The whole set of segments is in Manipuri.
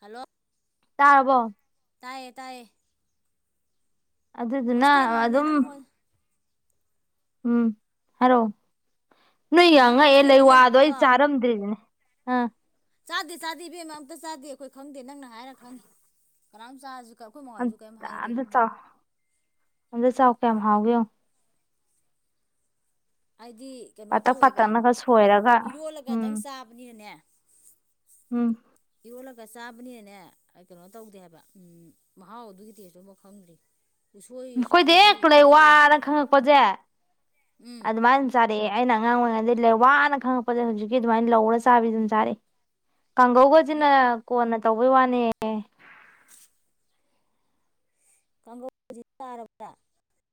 ꯍꯂꯣ ꯇꯥꯔꯕꯣ ꯇꯥꯏꯌꯦ ꯇꯥꯏꯌꯦ ꯑꯗꯨꯗꯨꯅ ꯍꯣꯁꯇꯦꯜꯗꯅꯦ ꯑꯗꯨꯝ ꯅꯪ ꯎꯝ ꯍꯥꯏꯔꯣ ꯅꯣꯏ ꯌꯥꯝ ꯅꯪ ꯉꯛꯑꯦ ꯍꯣꯁꯇꯦꯜꯗ ꯂꯩꯋꯥꯗꯣ ꯑꯩ ꯂꯩꯕꯗꯣ ꯆꯥꯔꯝꯗꯔꯤꯗꯨꯅꯤ ꯑ ꯆꯥꯗꯦ ꯆꯥꯗꯦ ꯏꯕꯦꯝꯃ ꯑꯝꯇ ꯆꯥꯗꯦ ꯑꯩꯈꯣꯏ ꯈꯪꯗꯦ ꯅꯪꯅ ꯍꯥꯏꯔ ꯈꯪꯏ ꯀꯅꯥꯝ ꯆꯥꯁꯤ ꯑꯝ ꯑꯝꯇ ꯆꯥꯎ ꯑꯝꯇꯥ ꯆꯥꯎ ꯀꯌꯥꯝ ꯍꯥꯎꯒꯦ ꯌꯦꯡꯉꯣ ꯑꯩꯗꯤ ꯀꯩꯅꯣ ꯄꯥꯇꯛ ꯇꯧꯑꯦꯕ ꯄꯥꯇꯛꯅꯒ ꯁꯣꯏꯔꯒ ꯏꯔꯣꯜꯂꯒ ꯎꯝ ꯇꯪ ꯆꯥꯕꯅꯤꯅꯅꯦ ꯎꯝ ꯏꯔꯣꯜꯂꯒ ꯆꯥꯕꯅꯤꯅꯅꯦ ꯀꯩꯅꯣ ꯇꯧꯗꯦ ꯍꯥꯏꯕ ꯃꯍꯥꯎ ꯑꯗꯨ ꯇꯦꯁꯇꯨ ꯑꯃꯣꯛ ꯈꯪꯗꯦ ꯑꯩꯈꯣꯏꯗꯤ ꯍꯦꯛ ꯂꯩꯋꯥꯅ ꯈꯪꯉꯛꯄꯁꯦ ꯎꯝ ꯑꯗꯨꯝꯃꯥꯏ ꯑꯗꯨꯝ ꯆꯥꯔꯛꯑꯦ ꯑꯩꯅ ꯑꯉꯥꯡ ꯑꯣꯏꯔꯤꯉꯩꯗꯩ ꯂꯩꯋꯥꯅ ꯈꯪꯂꯛꯄꯁꯦ ꯌꯧꯖꯤꯛꯀꯤ ꯑꯗꯨꯃꯥꯏ ꯂꯧꯔ ꯆꯥꯕꯤ ꯗꯨꯝ ꯆꯥꯔꯦ ꯀꯥꯡꯒꯧ ꯒꯁꯤꯅ ꯀꯣꯟꯅ ꯇꯧꯕꯩ ꯋꯥꯅꯦ ꯑꯦ [unintelligible]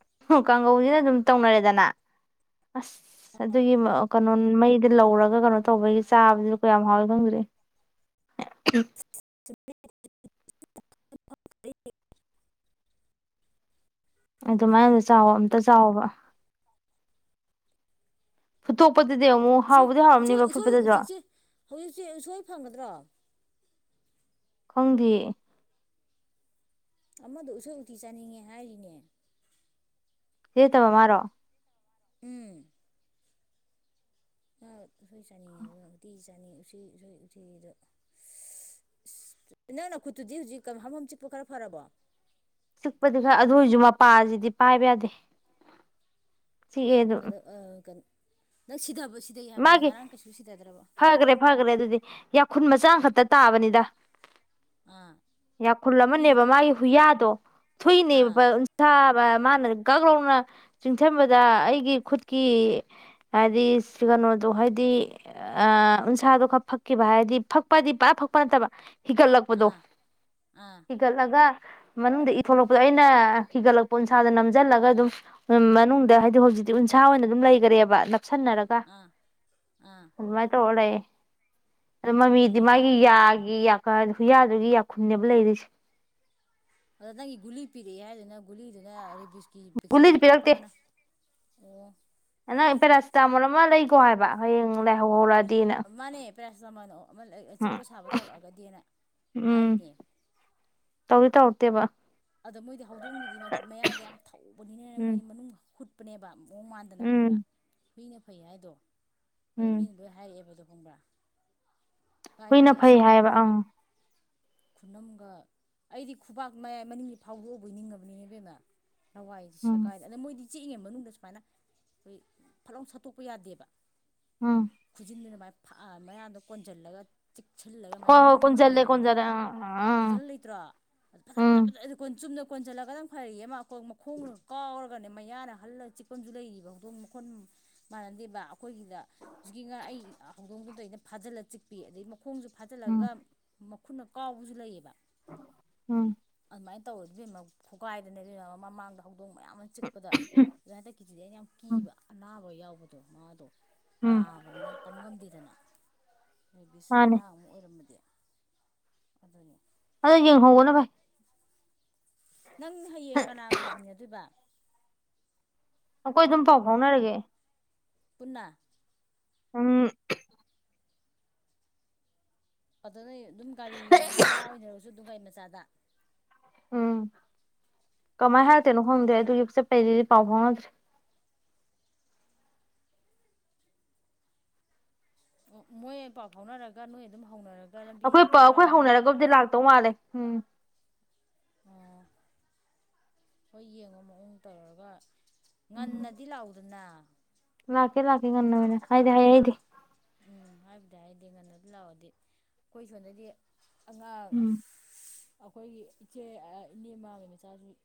ꯍꯨ [unintelligible] ꯀꯥꯡꯉꯧꯖꯤꯅ ꯑꯗꯨꯝ ꯇꯧꯅꯔꯦꯗꯅ ꯑꯁ ꯑꯗꯨꯒꯤꯃꯑꯣ [unintelligible] ꯀꯅꯣꯟ ꯃꯩꯗ ꯂꯧꯔꯒ ꯀꯅꯣ ꯇꯧꯕꯒꯤ ꯆꯥꯕꯁꯤ [unintelligible] ꯀꯌꯥꯝ ꯍꯥꯎꯏ ꯈꯪꯗ꯭ꯔꯤ ꯑ ꯍꯩ [unintelligible] ꯑꯗꯨꯃꯥꯏ ꯑꯝꯇ ꯆꯥꯎ ꯑꯝꯇ ꯆꯥꯑꯣꯕ꯫ ꯐꯨꯇꯣ [unintelligible] ꯎꯁꯣꯏ ꯎꯁꯣꯏ-ꯎꯁꯣꯏ ꯎꯆꯦꯛꯁꯦ [unintelligible] ꯍꯧꯖꯤꯛꯁꯦ ꯎꯁꯣꯏ ꯐꯧꯒꯗ꯭ꯔꯣ꯫ ꯈꯪꯗꯦ꯫ ꯑꯃꯗꯣ ꯎꯁꯣꯏ ꯎꯇꯤ ꯆꯥꯅꯤꯡꯉꯦ ꯍꯥꯏꯔꯝꯅꯦ꯫ [unintelligible] ꯎꯝ ꯇꯥꯏ [unintelligible] ꯎꯁꯣꯏ ꯆꯥꯅꯤꯡꯉꯦ ꯏꯕꯦꯝꯃ ꯎꯇꯤꯁꯨ [unintelligible] ꯌꯥꯅꯤ [unintelligible] ꯎꯇꯤ [unintelligible] ꯎꯁꯣꯏ ꯎꯇꯤꯁꯤꯗ ꯏꯁꯁꯁ ꯏꯁ [unintelligible] ꯅꯪ ꯅꯈꯨꯠꯇꯨꯗꯤ ꯍꯨꯖꯤꯛ ꯀꯃ [unintelligible] ꯍꯝ ꯍꯝ ꯆꯤꯛꯄ ꯈꯔ ꯐꯔꯕꯣ꯫ ꯆꯤꯛꯄꯗꯤ ꯈꯔ ꯑꯗꯨꯑꯣꯏꯖꯨ ꯃꯄꯥꯖꯤꯗꯤ ꯄꯥꯏꯕ ꯌꯥꯗꯦ꯫ ꯆꯤꯛꯑꯦ ꯑꯗꯨꯝ ꯀꯗꯧ ꯑ ꯀꯟ ꯅꯪ ꯁꯤꯗꯕ ꯃꯥꯒꯤ ꯐꯒꯔꯦ ꯐꯒꯔꯦ ꯑꯗꯨꯗꯤ ꯌꯥꯈꯨꯟ ꯃꯆꯥꯝꯃ ꯈꯛꯇ ꯇꯥꯕꯅꯤꯗ꯫ ꯑꯥ ꯌꯥꯈꯨꯟ ꯏꯗꯤ ꯑꯃꯅꯦꯕ ꯊꯣꯛ ꯃꯥꯒꯤ ꯍꯨꯏꯌꯥꯗꯣ ꯑꯥ ꯊꯨꯏꯅꯦꯕ ꯎꯟꯁꯥ [unintelligible] ꯃꯥꯅ ꯀꯒꯣꯡꯉ [unintelligible] ꯆꯤꯡꯊꯝꯕꯗ ꯑꯩꯒꯤ ꯈꯨꯠꯀꯤ ꯍꯥꯔꯤꯁ [unintelligible] ꯀꯅꯣꯗꯣ ꯍꯥꯏꯗꯤ ꯑ ꯎꯟꯁꯥꯗꯣ ꯈꯔ ꯐꯛꯈꯤꯕ ꯍꯥꯏꯗꯤ ꯐꯛꯄꯍꯥꯏꯗꯤ ꯄꯨꯔꯥ ꯐꯛꯄ ꯅꯠꯇꯕ ꯍꯤꯒꯠꯂꯛꯄꯗꯣ ꯑꯥ ꯑꯥ ꯍꯤꯒꯠꯂꯒ ꯃꯅꯨꯡꯗ ꯏ ꯊꯣꯛꯂꯛꯄꯗꯣ ꯑꯩꯅ ꯍꯤꯒꯠꯂꯛꯄ ꯎꯟꯁꯥꯗꯣ ꯅꯝꯖꯟꯂꯒ ꯑꯗꯨꯝ ꯃꯅꯨꯡꯗ ꯍꯥꯏꯗꯤ ꯍꯨꯖꯤꯛꯇꯤ ꯎꯟꯁꯥ ꯑꯣꯏꯅ ꯑꯗꯨꯝ ꯂꯩꯒꯔꯦꯕ ꯅꯞꯁꯟꯅꯔꯒ꯫ ꯑꯥ ꯑꯥ ꯑꯗꯨꯃꯥꯏ [unintelligible] ꯇꯧꯔ ꯂꯩꯌꯦ ꯃꯃꯤꯗꯤ ꯑꯣ ꯃꯥꯒꯤ ꯌꯥꯒꯤ ꯌꯥ ꯐꯔꯖꯨ [unintelligible] ꯍꯨꯏꯌꯥꯗꯨꯒꯤ ꯌꯥꯈꯨꯟꯅꯦꯕ ꯂꯩꯔꯤꯁꯦ ꯑꯗ ꯅꯪꯒꯤ ꯒꯨꯂꯤ ꯄꯤꯔꯛꯑꯦ ꯍꯥꯏꯗꯨꯅ ꯒꯧꯂꯤꯗꯨꯅ ꯔꯤ [unintelligible] ꯁꯀꯤꯟ ꯚꯦꯛꯁꯤꯟꯁꯨ ꯒꯨꯂꯤꯗꯤ [unintelligible] ꯄꯤꯔꯛꯇꯦ ꯀꯥꯞꯄꯒꯅ ꯑꯣ ꯅꯪ ꯄꯦꯔꯥꯁꯤꯇꯥꯃꯣꯟ ꯑꯃ ꯂꯩꯒꯣ ꯍꯥꯏꯕ ꯍꯌꯦꯡ ꯂꯥꯏꯍꯧ ꯍꯧꯔꯖꯨ ꯃꯥꯟꯅꯦ ꯄꯦꯔꯥꯁꯤꯇꯥꯃꯣꯟ ꯑꯣ ꯑꯃ ꯂꯩꯩꯩ ꯎꯝ ꯆꯤꯛꯄ ꯁꯥꯕ ꯇꯧꯔꯛꯑꯒꯗꯤꯅ ꯍꯥꯏꯔꯤꯅꯦ ꯀꯩꯕ [unintelligible] ꯑꯗ ꯃꯣꯏꯗꯤ ꯍꯧꯗꯣꯡꯒꯤꯗꯤ ꯃꯌ ꯃꯌꯥꯗꯣ ꯌꯥꯝ ꯊꯧꯕꯅꯤꯅꯅꯦ ꯎꯝ ꯃꯣꯏꯗꯤ ꯃꯅꯨꯡꯗ ꯍꯨꯠ ꯄꯅꯦꯕ ꯃꯑꯣꯡ ꯃꯥꯟꯗꯅ ꯈꯪꯕ꯭ꯔꯥ ꯎꯝ ꯃꯤꯅ ꯐꯩ ꯍꯥꯏꯗꯣ ꯑꯗꯣ ꯃꯤ ꯎꯝ ꯂꯣꯏꯅꯥ ꯍꯥꯢꯔꯛ ꯑꯦꯕꯥ ꯑꯗꯣ [inaudible] ꯍꯨꯏꯅ ꯀꯥꯏꯗꯒꯤ ꯐꯩ ꯑꯁ ꯍꯥꯏꯌꯦꯕ ꯑꯩꯒꯤꯗꯤ ꯑꯪ ꯈꯨꯅꯝꯒ ꯑꯩꯗꯤ ꯈꯨꯕꯥꯛ ꯃꯌꯥꯏ ꯃꯅꯤꯡ ꯒꯤ ꯐꯥꯎꯗꯣꯛ ꯑꯕꯣꯏ ꯅꯤꯡꯉꯤꯅꯤ ꯏꯕꯦꯝꯃꯥ ꯂꯥꯋꯥꯏꯖꯦ ꯎꯝ ꯁꯦꯒꯥꯏꯗꯅ ꯑꯗꯩ ꯃꯣꯏꯗꯤ ꯆꯤꯛꯏꯉꯩ ꯃꯅꯨꯡꯗ ꯁꯨꯃꯥꯏꯅꯥ ꯐꯠ ꯂꯥꯎꯅꯥ ꯁꯠꯇꯣꯀꯄꯥ ꯌꯗꯦꯕꯥ ꯎꯝ ꯈꯨꯖꯤꯟꯗꯨꯅ ꯑꯗꯨꯃꯥꯏꯅꯥ ꯐꯔꯒꯥ ꯃꯌꯥꯗ ꯀꯣꯟꯖꯟꯂꯒ ꯆꯤꯛꯍꯟꯂꯒ ꯍꯣꯏ ꯁꯨꯃꯥꯏꯅ ꯍꯣꯏ ꯅꯝ ꯃꯒꯥ ꯊꯝ ꯀꯣꯟꯖꯜꯂꯦ ꯃꯅꯤꯅꯥ ꯀꯣꯟꯖꯜꯂꯦ ꯑꯪ ꯑꯪ ꯎꯝ ꯀꯣꯟꯖꯤꯟꯂꯥ ꯂꯩꯇꯔꯣ ꯑꯗꯥ ꯐꯥꯗꯥꯠ ꯎꯝ ꯐꯗꯥꯠ ꯆꯨꯝꯅꯥ ꯀꯣꯟꯖꯟꯂꯒꯅꯥ ꯐꯩ ꯃꯈꯣꯡꯒꯗꯣ ꯀꯥꯎꯔꯒꯅꯦ ꯃꯌꯥꯅꯥ ꯍꯜꯂꯒꯥ ꯆꯤꯛꯄ ꯑꯃꯁꯨ ꯂꯩꯔꯤꯌꯦ ꯍꯪꯗꯣꯡ ꯝꯈꯜ ꯃꯅꯥꯗꯦꯕꯥ ꯑꯈꯣꯏ ꯁꯤꯗꯥ ꯍꯦꯖꯤꯛꯀꯤ ꯑꯩ ꯍꯪꯗꯣꯡ ꯗꯨꯗꯩꯩ ꯐꯖꯤꯟꯂꯥ ꯆꯤꯛꯄꯤ ꯈꯣꯡꯖꯦ ꯎꯝ ꯐꯖꯟꯂꯒ ꯃꯈꯣꯡ ꯈꯨꯠꯅ ꯀꯥꯎꯕꯁꯨ ꯂꯩꯌꯦꯕꯥ [inaudible] ꯑꯧ ꯏꯕꯦꯝꯃꯥ ꯈꯣꯒꯥꯏꯗꯅꯥ ꯏꯕꯦꯝꯃꯥ ꯃꯃꯥꯡꯗ ꯍꯧꯗꯣꯡ [inaudible] ꯃꯌꯥꯝ ꯑꯃꯥ ꯆꯤꯛꯄꯗ ꯍꯟꯗꯛ ꯀꯤꯁꯤꯗꯤ ꯑꯩꯅꯥ ꯌꯥꯝ ꯀꯤꯕꯥ ꯑꯅꯥꯕꯥ ꯌꯥꯎꯕꯥ [unintelligible] ꯎꯝ ꯅꯕꯅꯤꯅꯥ ꯇꯝ ꯉꯝꯗꯦꯗꯅꯥ ꯔꯦꯕꯤꯁ ꯃꯥꯅꯦ ꯑꯅꯥꯕꯥ ꯑꯃꯥ ꯑꯣꯏꯔꯝꯃꯗꯤ ꯑꯗꯨꯅꯤ ꯑꯗꯣ ꯌꯦꯡꯍꯧꯕꯅꯥ ꯐꯩ ꯅꯪ ꯍꯌꯦꯡ ꯀꯅꯥꯒꯥ ꯂꯥꯛꯃꯤꯟ ꯅꯥꯗꯣꯏꯕ ꯑꯩꯈꯣꯏ ꯑꯗꯨꯝ ꯄꯥꯎ ꯐꯥꯎꯅꯥꯔꯥꯒꯦ꯫ ꯄꯨꯟ ꯅꯥ ꯎꯝ ꯑꯗꯥ ꯅꯣꯏ ꯑꯗꯨꯝ ꯒꯥꯔꯤ ꯃꯆꯥ ꯑꯣꯏꯅꯔꯁꯨ ꯑꯗꯨꯝ ꯃꯆꯥꯗ ꯎꯝ ꯀꯃꯥꯏ ꯍꯥꯏꯔꯛꯇꯣꯏꯅꯣ ꯈꯪꯗꯦ ꯑꯗꯨ ꯆꯠꯄꯩꯗꯨꯗꯤ ꯄꯥꯎ ꯐꯥꯎꯅꯥꯗꯔ꯭ꯤ ꯃꯣꯏ ꯄꯥꯎ ꯐꯥꯎꯅꯥꯔꯒ ꯅꯣꯏ ꯑꯗꯨꯝ ꯍꯧꯅꯔꯒꯥ ꯑꯩꯈꯣꯏ ꯍꯧꯅꯔꯒꯗꯤ ꯂꯛꯇꯧ ꯃꯥꯜꯂꯦ ꯎꯝ ꯎꯝ ꯍꯣꯏ ꯌꯦꯡꯉꯣ ꯃꯑꯣꯡ ꯇꯧꯔꯒꯥ ꯉꯟ ꯅꯥꯗꯤ ꯂꯥꯛ ꯎꯗꯅ ꯂꯥꯛꯀꯦ ꯂꯥꯛꯀꯦ ꯉꯟꯅꯥ ꯑꯣꯏꯅꯥ ꯍꯥꯏꯗꯤ ꯍꯥꯏꯍꯩꯗꯦ ꯎꯝ ꯍꯥꯏꯕꯨꯗꯤ ꯍꯥꯏꯍꯩ ꯗꯦ ꯉꯟꯅꯗꯤ ꯂꯥꯛ ꯑꯣꯗꯤ ꯑꯩꯈꯣꯏ ꯁꯣꯝꯗꯥꯗꯤ ꯑꯉꯥꯡ ꯎꯝ ꯑꯈꫭꯏꯒꯤ ꯏꯆꯦ ꯑ ꯏꯅꯦ ꯃꯥꯝꯃꯩ ꯃꯆꯥꯖꯤꯡ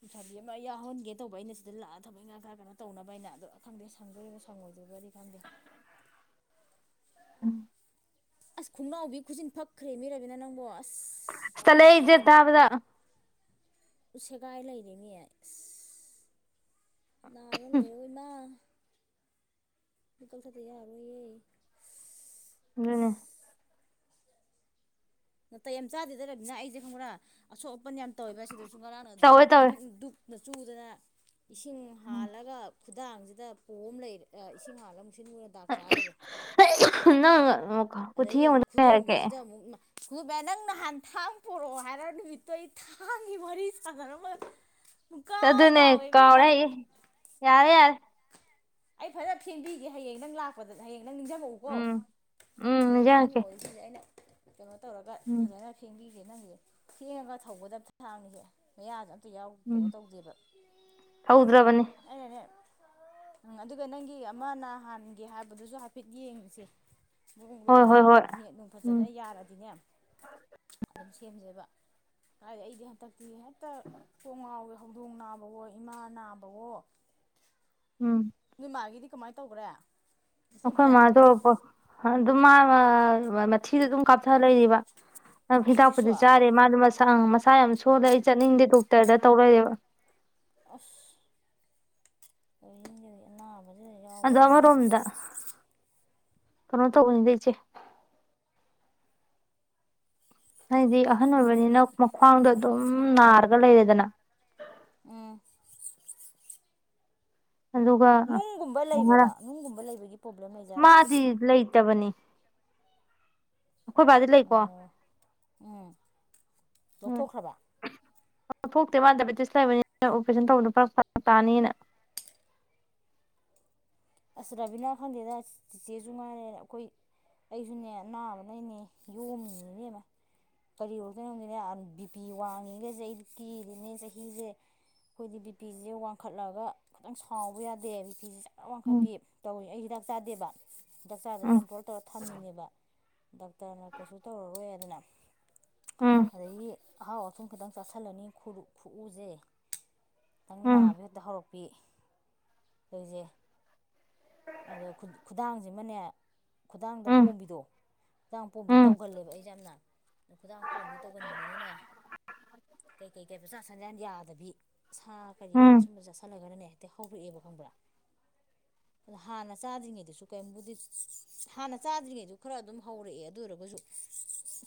ꯂꯩꯁꯥꯕꯤ ꯑꯃ ꯌꯥꯎꯍꯟꯒꯦ ꯇꯧꯕ ꯑꯩꯅ ꯁꯤꯗ ꯂꯥꯛ ꯑꯒ ꯊꯕꯛ ꯏꯪꯈꯥꯡ ꯈꯔ ꯀꯩꯅꫭ ꯇꯧꯅꯕꯥꯅ ꯑꯗꫭ ꯈꯪꯗꯦ ꯁꯪꯗꯧꯔꯤꯔꯥ ꯁꯪꯉꫭꯏꯗꯧꯔꯤꯕꯥꯗꯤ ꯈꯪꯗꯦ꯫ ꯑꯥ ꯑꯁ! ꯈꯨꯠꯅꯥꯎꯕꯤꯒꯤ ꯈꯨꯖꯤꯟ ꯐꯛ ꯈ꯭ꯔꯦꯃꯤ ꯔꯦꯕꯤꯅꯥ ꯅꯪꯕꫭ ꯑꯁ ꯏꯁ ꯇꯜꯂꯦ ꯑꯩꯖꯦ ꯇꯥꯕꯗ ꯁꯦꯒꯥꯏ ꯂꯩꯔꯩꯅꯦ ꯏꯁ! ꯅꯥꯕ ꯂꫭꯏꯔꯔꫭꯏ ꯅ ꯑꯩ ꯊꯕꯛ ꯆꯠꯇ ꯌꯥꯔꯔꫭꯏꯌꯦ ꯏꯁꯩ! [unintelligible] ꯅꯇꯩ ꯌꯥꯝ ꯆꯥꯗꯦꯗ ꯔꯕꯤꯅꯥ ꯑꯩꯖꯦ ꯈꯪꯕ꯭ꯔꯥ ꯑꯁꫭꯛ ꯕꯟ ꯌꯥꯝ ꯇꯧꯋꯦꯕ ꯑꯁꯤꯗꯁꯨ ꯉꯔꯥꯡꯅ ꯘꯨꯛ ꯇꯧꯋꯦ ꯇꯧꯋꯦ ꯘꯨꯛ ꯘꯨꯛ ꯆꯨꯗꯥꯔ ꯏꯁꯤꯡ ꯍꯥꯜꯂꯒ ꯈꯨꯗꯥꯡ ꯖꯤꯗꯥ ꯄꫭꯝ ꯂꯩ ꯑ ꯏꯁꯤꯡ [unintelligible] [unintelligible] ꯗꯥꯛ ꯇ ꯂꯩꯔꯩ ꯎꯝ [unintelligible] ꯀꯨꯊꯤ ꯌꯦꯡꯉꯨꯕꯗꯨ ꯀꯩ ꯍꯥꯏꯔꯛꯀꯦ ꯑꯃꯨꯛ ꯅꯪ ꯅꯍꯥꯟ ꯊꯥꯡ ꯄꯨꯔꯛꯑꫭ ꯍꯥꯏꯔꯛ ꯅꯨꯃꯤꯠꯇꫭ ꯊꯥꯡꯒꯤ ꯋꯥꯔꯤ ꯁꯥꯟꯅꯔꯝꯃ ꯑꯗꯨꯅꯦ ꯀꯥꯎꯔꯦꯌꯦ ꯌꯥꯔꯦ ꯌꯥꯔꯦ ꯑꯩ ꯐꯖꯅ ꯐꯦꯡꯕꯤꯒꯦ ꯍꯌꯦꯡ ꯅꯪ ꯂꯥꯛꯄꯗ ꯍꯌꯦꯡ ꯅꯪ ꯅꯤꯡꯖꯪ ꯉꯛꯎꯀꫭ ꯎꯝ ꯎꯝ ꯍꯌꯦꯡ ꯅꯤꯡꯖꯪꯉꯛꯀꯦ ꯅꯤꯡꯖꯪꯉꫭ ꯍꯥꯏꯖꯤꯅꯤ ꯑꯩꯅ ꯀꯩꯅꫭ ꯇꯧꯔꯒ ꯎꯝ ꯐꯖꯅ ꯐꯦꯡꯕꯤ ꯅꯪꯒꯤꯖꯦ ꯐꯦꯡꯉꯒ ꯊꯧꯒꯗꯕ ꯊꯥꯡꯅꯤ ꯁꯦ ꯃꯌꯥꯖꯦ ꯑꯝ ꯌꯥꯎ ꯎꯝ ꯀꯩꯅꫭ ꯇꯧꯗꯦꯕ ꯍꯧꯗ꯭ꯔꯕꯅꯤ ꯑꯩꯅꯅꯦ ꯎꯝ ꯑꯗꯨꯒ ꯅꯪꯒꯤ ꯑꯃ ꯅꯍꯥꯟꯒꯤ ꯍꯥꯏꯕꯗꯨꯖꯨ ꯍꯥꯏꯐꯦꯠ ꯌꯦꯡꯁꯦ ꯍꯣꯏ ꯍꯣꯏ ꯍꯣꯏ [unintelligible] ꯅꯦꯠ ꯅꯨꯡ ꯎꯝ ꯐꯖꯅ ꯌꯥꯔꯗꯤꯅꯦ ꯑꯗꯨꯝ ꯁꯦꯝꯖꯦꯕ ꯀꯥꯏꯗꯩ ꯑꯩꯗꯤ ꯍꯥꯟꯗꯛꯇꯤ ꯍꯦꯛꯇ ꯀꫭꯛ ꯉꯥꯎꯗ ꯍꯥꯎꯗꫭꯡ ꯅꯕꯋꫭ ꯏꯃꯥ ꯅ ꯎꯝ ꯅꫭꯏꯃꯥꯒꯤꯗꯤ ꯀꯃꯥꯏ ꯇꯧꯒ꯭ꯔꯦ ꯑꯩꯈꫭꯏ ꯇꯧꯗ꯭ꯔꯦ ꯃꯥꯗꫭ [unintelligible] [unintelligible] ꯃꯊꯤꯗꫭ ꯑꯗꯨꯝ ꯀꯥꯞꯊ ꯂꯩꯔꯤꯕ ꯅꯪ ꯍꯤꯗꯥꯛ ꯍꯧꯖꯤꯛꯁꯨ ꯄꯨꯗꯤ ꯑꯁ ꯆꯥꯔꯤ ꯃꯥꯖꯨ ꯃꯁ [unintelligible] ꯃꯥꯁꯥ ꯌꯥꯝ ꯁꫭꯜꯂꯦ ꯑꯩ ꯆꯠꯅꯤꯡꯗꯦ ꯗꫭꯛꯇꯔꯗ ꯑꯁ! ꯂꯩꯅꯤꯡꯗꯦꯗ ꯑꯅꯥ ꯑꯗꫭ ꯑꯃꫪꫭꯝꯗ ꯀꯩꯅꫭꯝ ꯇꯧꯕꯅꯤꯗ ꯏꯆꯦ ꯍꯥꯏꯗꯤ ꯑꯍꯟ ꯑꫭꯏꯕꯅꯤꯅ ꯃꯥꯈ꯭ꯋꯥꯡꯗꫭ ꯑꯗꯨꯝ ꯅꯥꯔꯒ ꯂꯩꯔꯦꯗꯅ ꯎꯝ ꯑꯗꯨꯒ ꯅꯨꯪꯒꯨꯝꯕ ꯂꯩꯕꯔꯥ ꯅꯨꯪꯒꯨꯝꯕ ꯂꯩꯕꯒꯤ ꯄꯔꯣꯕꯂꯦꯝ ꯂꯩꯖꯥꯠꯂꯥ ꯃꯥꯗꯤ ꯂꯩꯇꯕꯅꯤ ꯑꯩꯈꯣꯏ ꯕꯥꯗꯤ ꯂꯩꯀꯣ ꯑꯣ ꯎꯝ ꯂꯧꯊꯣꯛꯈꯔ꯭ꯕ ꯂꯧꯊꯣꯛꯇꯦ ꯃ ꯗꯥꯏꯄꯦꯇꯤꯁꯇ ꯂꯩꯕꯅꯤꯅ ꯑꯣ ꯄꯥꯔꯦꯁꯅꯟ ꯇꯧꯕꯗꯥ ꯐꯔꯛ ꯇꯥꯅꯦꯅ ꯑꯁ ꯔꯕꯤꯅ ꯈꯪꯗꯦꯗ ꯆꯦꯆꯦꯖꯨ ꯉꯥꯏꯔꯦ ꯑꯩꯈꯣꯌ ꯑꯩꯖꯨꯅꯦ ꯑꯥꯅꯕ ꯅꯦ ꯌꯣꯝꯃꯤꯅꯦ ꯏꯕꯦꯝ ꯃ ꯀꯔꯤ ꯑꯣꯏꯗꯣꯏꯅꯣ ꯈꯪꯗꯦ ꯕꯤ ꯄꯤ ꯋꯥꯪ ꯉꯦꯒꯥ ꯀꯤꯔꯦꯅꯤ ꯆꯥꯍꯤꯖꯦ ꯑꯩꯈꯣꯌꯗꯤ ꯕꯤ ꯄꯤ ꯖꯦ ꯋꯥꯪꯈꯠꯂꯒ ꯑꯗꯨꯝ ꯁꯥꯎꯕꯥ ꯌꯥꯗꯦ ꯕꯤ ꯄꯤꯖꯦ ꯖꯔ ꯋꯥꯡꯈꯠ ꯎꯝ ꯇꯧꯑꯦ ꯑꯩ ꯍꯤꯗꯥꯛ ꯆꯗꯦꯕꯥ ꯍꯤꯗꯥꯛ ꯆꯗꯕꯅꯤꯅꯥ ꯎꯝ ꯀꯟꯇꯔꯣꯜ ꯇꯧꯔ ꯊꯝꯃꯤꯅꯦꯕꯥ ꯗꯣꯛꯇꯔꯅꯥ ꯀꯩꯁꯨ ꯇꯧꯔꯔꯣꯏꯌꯦꯅꯥ ꯎꯝ ꯑꯗꯥꯒꯤ ꯑꯍꯥꯎ ꯑꯊꯨꯝ ꯈꯤꯇꯥꯡ ꯆꯥꯁꯤꯜꯂꯅꯤ ꯑꯥꯗꯩꯩ ꯈꯨꯔꯨ ꯈꯨꯎꯖꯦ ꯑꯃꯨꯛ ꯎꯝ ꯅꯕ ꯍꯦꯛꯇꯥ ꯍꯧꯔꯛꯄꯥ [unintelligible] ꯑꯩꯖꯦ ꯑꯗꯣ ꯈꯨꯗꯥꯪꯖꯤꯃꯅꯦ ꯈꯨꯗꯥꯪꯗ ꯎꯝ ꯄꯣꯝꯕꯤꯗꯣ ꯈꯨꯗꯥꯡꯗ ꯄꯣꯝꯕꯤꯗꯣ ꯎꯝ ꯇꯧꯒꯜꯂꯦ ꯑꯩꯖꯦ ꯌꯥꯝꯅꯥ ꯈꯨꯗꯥꯪ ꯄꯣꯝꯕꯗꯣ ꯇꯧꯒꯟꯕꯅꯤꯅꯥꯟꯅꯦ ꯀꯩ ꯀꯩ ꯀꯩꯝ ꯆꯥꯁꯤꯟ ꯌꯥꯗꯕꯤ ꯁꯥ ꯀꯔꯤ ꯀꯔꯥ ꯁꯨꯝ ꯎꯝ ꯁꯨꯝꯕꯥ ꯆꯥꯁꯤꯜꯂꯒꯅꯥꯅꯦ ꯍꯦꯛꯇꯥ ꯍꯧꯔꯛꯑꯦꯕ ꯈꯪꯕꯔꯥ ꯍꯥꯟꯅꯥ ꯆꯗꯔ ꯉꯩꯗꯁꯨ ꯀꯦꯏꯝꯕꯨꯗꯤ ꯍꯟꯅꯥ ꯆꯗꯔꯤꯉꯩꯗ ꯈꯔꯥ ꯑꯗꯨꯝ ꯍꯧꯔꯛꯑꯦ ꯑꯗꯨ ꯑꯣꯏꯔꯒꯁꯨ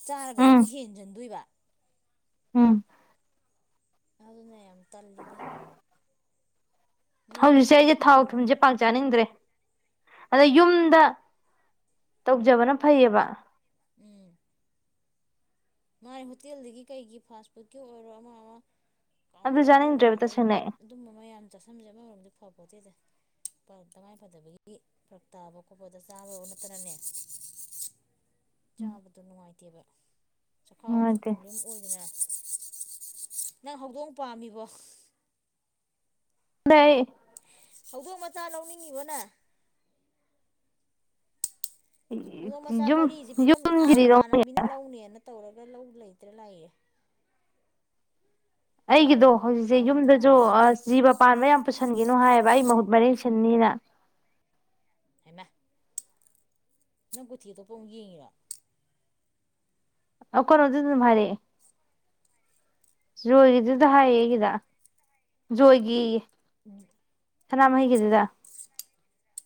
ꯆꯥꯔꯒꯗꯤ ꯑꯃꯨꯛ ꯎꯝ ꯍꯦꯟꯖꯤꯟꯗꯣꯏꯕ ꯎꯝ ꯑꯗꯨꯅꯤ ꯌꯥꯝ ꯇꯜꯂꯤꯗ ꯅꯣꯏꯗꯤ ꯍꯧꯖꯤꯛꯁꯦ ꯑꯃꯨꯛ ꯑꯩꯁꯦ ꯈꯔ ꯐꯩ ꯊꯥꯎ ꯏꯕꯦꯝꯃ ꯊꯨꯝꯖꯦ ꯅꯪ ꯄꯥꯛ ꯆꯥꯅꯤꯪꯗꯔ꯭ꯦ ꯑꯥꯗ ꯌꯨꯝꯗ ꯇꯧꯖꯕꯅꯥ ꯐꯩꯌꯦꯕ [inaudible] ꯉꯥꯏ ꯍꯣꯇꯦꯜꯗꯒꯤ ꯀꯩꯒꯤ ꯐꯁ ꯐꯨꯗꯀꯤ ꯑꯣꯏꯔꯣ ꯑꯃꯥ ꯑꯃꯥ ꯑꯗꯨ ꯀꯪꯍꯧ ꯕꯣꯔꯥ ꯆꯥꯅꯤꯡꯗ꯭ꯔꯦꯕ ꯑꯗꯩꯩ ꯇꯁꯦꯡꯅ ꯑꯗꯨꯝꯕ ꯃꯌꯥꯝ ꯆꯥꯁꯤꯟꯕꯁꯦ ꯑꯃꯔꯣꯝꯗ ꯐꯄꯣꯇꯦꯗꯥ ꯇꯥꯉꯥꯏ ꯐꯥꯗꯕꯒꯤ ꯐꯔꯛ ꯇꯥꯕꯥ ꯈꯣꯠꯄꯗ ꯆꯥꯕꯥ ꯅꯠꯇꯅꯅꯦ ꯆꯕꯗꯣ ꯅꯨꯪꯉꯥꯏꯇꯦꯕ ꯆꯥꯈꯥꯎꯖꯨ ꯅꯨꯡꯉꯥꯏꯇꯦ ꯄꯔꯣꯕꯂꯦꯝ ꯑꯣꯏꯗꯅꯥ ꯅꯪ ꯍꯧꯗꯣꯪ ꯄꯝꯃꯤꯕꯣ [inaudible] [unintelligible] ꯍꯧꯗꯣꯪ ꯃꯆꯥ ꯂꯧꯅꯤꯪꯏꯕ ꯅꯪ ꯍꯧꯗꯣꯪ ꯃꯆꯥ ꯌꯨꯝ ꯃꯔꯤꯖꯦ ꯄꯤꯕꯝ ꯑꯥ ꯌꯨꯝꯒꯤꯗꯤꯗꯣ ꯃꯃꯥꯟꯅꯕꯤꯅꯥ ꯂꯧꯅꯦꯅ ꯇꯧꯔꯒꯥ ꯂꯧ ꯂꯩꯇꯔꯥ ꯂꯥꯛꯏꯌꯦ ꯑꯩꯒꯤꯗꯣ ꯆꯥꯎꯒꯤ ꯄꯥꯈꯪ ꯍꯧꯖꯤꯛꯁꯦ ꯐꯥꯈꯤꯕꯅ ꯌꯨꯝꯗꯖꯨ ꯍꯥꯟꯒꯤꯗ ꯑꯥ ꯖꯤꯕꯥ ꯄꯥꯟꯕꯥ ꯌꯥꯝ ꯄꯨꯁꯤꯟꯒꯤꯅꯨ ꯍꯥꯏꯌꯦꯕ ꯑꯩ ꯃꯍꯨꯠ ꯃꯔꯦꯡ ꯑꯅꯤꯔꯥ [unintelligible] [unintelligible] ꯅꯪ ꯀꯨꯊꯤꯗꯨꯕꯨ ꯑꯃꯨꯛ ꯌꯦꯡꯏꯔ ꯑꯧ ꯀꯩꯅꯣ ꯗꯥꯖꯨ ꯑꯗꯨꯝ ꯍꯥꯏꯔꯛꯑꯦ ꯖꯣꯏꯒꯤꯗꯨ [unintelligible] ꯍꯥꯏ ꯑꯩꯒꯤꯗ ꯀꯔꯤꯅꯣ ꯖꯣꯏꯒꯤꯌꯦ ꯁꯅꯃꯍꯤꯒꯤꯗꯨꯗ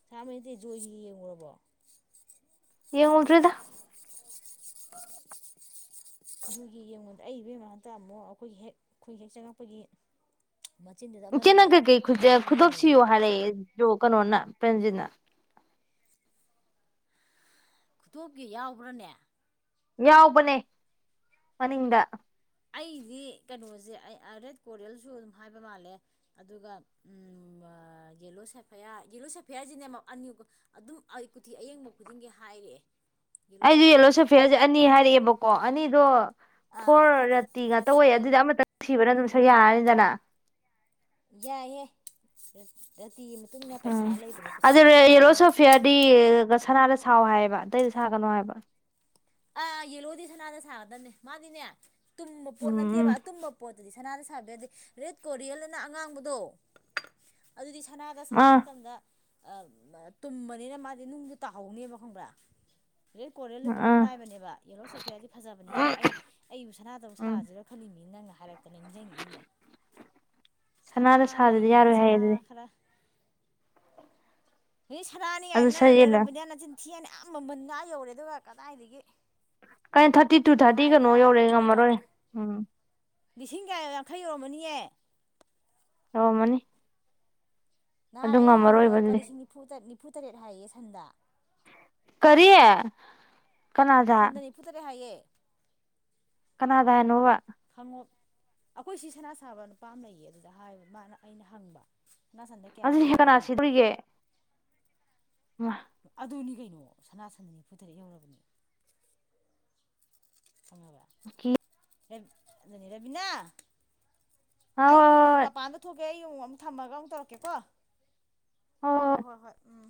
ꯁꯅꯃꯍꯤꯗ ꯖꯣꯏꯒꯤꯒꯥ ꯌꯦꯡꯎꯔꯕꯣ ꯌꯦꯡꯉꯨꯗꯔ꯭ꯦꯗꯥ ꯑꯈꯣꯌꯒꯤ ꯏꯆꯦ ꯅꯪ ꯀꯩꯀꯩ ꯈꯨꯗꯣꯞ ꯌꯦꯡꯉꯦ ꯁꯤꯌꯣ ꯍꯥꯏꯔꯛꯑꯦ ꯖꯣ ꯀꯩꯅꯣꯅ ꯄ꯭ꯔꯦꯝꯖꯤꯠꯅ ꯈꯨꯗꯣꯞꯀꯤ ꯌꯥꯎꯕ꯭ꯔꯅꯦ ꯌꯥꯎꯕꯅꯦ ꯃꯅꯤꯡꯗ ꯑꯩꯗꯤ ꯀꯩꯅꯣꯖꯦ ꯑꯔꯦꯠ ꯀꯣꯔꯦꯜꯖꯨ ꯑꯗꯨꯝ ꯍꯥꯏꯕ ꯃꯥꯜꯂꯦ ꯑꯗꯨꯒ ꯎꯝ ꯑ ꯌꯦꯜꯂꯣ ꯁꯦꯐꯤꯌꯥꯔ ꯁꯦꯐꯤꯌꯥꯔ ꯁꯤꯗꯤꯅꯦ ꯑꯗꯨꯝ ꯀꯨꯊꯤ ꯑꯌꯦꯡꯕ ꯈꯨꯗꯤꯡꯒꯤ ꯍꯥꯏꯌꯦ ꯑꯩꯖꯨ ꯌꯦꯜꯂꯣ ꯁꯦꯐꯤꯌꯥꯔꯖꯦ ꯑꯅꯤ ꯍꯥꯏꯔꯛꯑꯦꯕꯀꯣ ꯑꯅꯤꯗꯣ ꯑꯥ ꯐꯣꯔ ꯔꯦꯇꯤ ꯉꯥꯛꯇ ꯑꯣꯏ ꯑꯗꯨꯗꯤ ꯑꯃꯇꯪ ꯁꯤꯕꯅ ꯑꯗꯨꯝ ꯁꯛ ꯌꯥꯔꯅꯤꯗꯅ ꯌꯥꯏꯌꯦ ꯅꯠꯇꯤꯌꯦ ꯃꯇꯨꯡꯅ ꯎꯝ ꯄꯩꯁꯥ ꯂꯩꯕꯅꯦ ꯑꯗꯨ ꯄꯩꯁꯥ ꯌꯦꯂꯣ ꯇꯥꯡꯉꯗꯤ ꯁꯣꯐꯤꯌꯔꯗꯤ ꯁꯅꯥꯗ ꯁꯥꯎ ꯍꯥꯏꯌꯦꯕ ꯑꯇꯩꯗ ꯁꯥꯒꯅꯣ ꯍꯥꯏꯕ ꯑ ꯌꯦꯜꯂꯣꯗꯤ ꯁꯅꯥꯗ ꯁꯥꯒꯗꯕꯅꯦ ꯃꯥꯗꯤꯅꯦ ꯇꯨꯝꯕ ꯄꯣꯠ ꯅꯠꯇꯦꯕ ꯎꯝ ꯑꯇꯨꯝꯕ ꯄꯣꯠ ꯁꯅꯥꯗ ꯁꯥꯗ ꯌꯥꯗꯦ ꯔꯦꯗ ꯀꯣꯔꯤꯌꯜꯅ ꯑꯉꯥꯡꯕꯗꯣ ꯁꯅꯥꯗ ꯎꯝ ꯁꯥ ꯑꯥ ꯃꯇꯝꯗ ꯑ ꯇꯨꯝꯕꯅꯤꯅ ꯃꯥꯗꯤ ꯅꯨꯡꯗꯨ ꯇꯥꯍꯧꯅꯤꯕ ꯈꯪꯕꯔꯥ ꯔꯦꯠ ꯀꯣꯔꯦꯜꯗꯤ ꯇꯨꯝꯕ ꯑꯥ ꯅꯥꯏ ꯌꯦꯕ ꯌꯦꯜꯂꯣ ꯁꯦꯐꯤꯌꯔꯖꯦ ꯐꯖꯕꯅꯦꯍꯦ ꯑꯩ ꯑꯩꯕꯨ ꯁꯅꯥꯗꯧꯅ ꯎꯝ ꯁꯥꯔꯖꯤꯔ ꯈꯜꯂꯤꯕꯅꯤ ꯅꯪꯅ ꯍꯥꯏꯔꯛꯇꯅ ꯅꯤꯡꯖꯤꯡꯉꯛꯏꯅꯤꯅꯦ ꯁꯅꯥ ꯁꯅꯥꯗ ꯁꯥꯗꯗꯤ ꯂꯩꯌꯦ ꯌꯥꯔꯣꯏ ꯍꯥꯏꯌꯦ ꯁꯅꯥ ꯑꯗꯨꯗꯤ ꯈꯔ ꯑꯗꯩ ꯁꯅꯥꯅꯤ ꯑꯗꯨ ꯒꯥꯏꯅ ꯁꯌꯦꯠꯂ ꯂꯩꯔꯝꯕꯅꯤ ꯅꯆꯤꯟ ꯁꯦꯜ ꯑꯥ ꯃꯃꯜ ꯑꯥ ꯌꯧꯔꯦ ꯑꯗꯨꯒ ꯀꯗꯥꯏꯗꯒꯤ ꯀꯩꯅꯣ ꯊꯥꯔꯇꯤꯇꯨ ꯊꯥꯔꯇꯤ ꯀꯩꯅꯣ ꯇꯪꯈꯥꯏꯗ ꯌꯧꯔꯦ ꯉꯝꯃꯔꯣꯏ ꯂꯤꯁꯤꯡ ꯀꯌꯥ ꯌꯥꯡꯈꯩ ꯌꯧꯔꯝꯃꯅꯤꯌꯦ ꯌꯧꯔꯝꯃꯅꯤ ꯉꯥꯍꯟ ꯑꯩ ꯍꯪꯉꯨꯕꯗ ꯂꯨꯄꯥ ꯑꯗꯨꯗꯤ ꯂꯤꯁꯤꯡ ꯅꯤꯝꯐꯨ ꯇ ꯅꯤꯝꯐꯨ ꯇꯔꯦꯠ ꯍꯥꯏꯌꯦ ꯁꯟꯗ ꯀꯔꯤ ꯀꯅꯥꯗ ꯁꯟꯗ ꯅꯤꯝꯐꯨ ꯇꯔꯦꯠ ꯍꯣꯏꯌꯦ ꯀꯅꯥꯗꯅꯣꯕ ꯍꯉꯣ ꯑꯈꯣꯏ ꯁꯤ ꯁꯅꯥ ꯁꯥꯕ ꯅꯨꯄꯥ ꯑꯃ ꯂꯩꯌꯦ ꯑꯗꯨꯗ ꯍꯥꯏ ꯃꯥꯅ ꯑꯩꯅ ꯍꯪꯕ ꯁꯅꯥ ꯁꯟꯗ ꯀꯌꯥ ꯑꯗꯨꯗꯤ ꯀꯅꯥ ꯄꯤꯔꯤꯒꯦꯅ ꯁꯤꯗꯣꯔꯤꯒꯦ ꯍꯣꯏ ꯑꯗꯨꯅꯤ ꯀꯩꯅꯣ ꯁꯅꯥ ꯁꯟꯗ ꯅꯤꯝꯐꯨ ꯇꯔꯦꯠ ꯌꯧꯔꯕꯅꯤ [unintelligible] [unintelligible] [unintelligible] ꯔꯥꯕꯤꯅꯥ ꯍꯣꯏ ꯍꯣꯏ ꯑꯩ ꯍꯣꯏ ꯃꯥꯄꯥꯟ ꯑꯝꯇꯥ ꯊꯣꯛꯀꯦ ꯑꯩ ꯑꯃꯨꯛ ꯇꯝꯃꯥꯒ ꯑꯃꯨꯛ ꯇꯧꯔꯛꯀꯦ ꯀꯣ ꯍꯣꯏ ꯍꯣꯍꯣꯏ ꯎꯝ